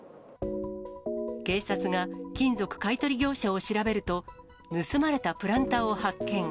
警察が金属買い取り業者を調べると、盗まれたプランターを発見。